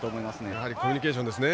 やはりコミュニケーションですね。